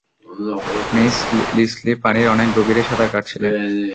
Mr Leslie পানির অনেক গভীরে সাঁতার কাটছিলেন।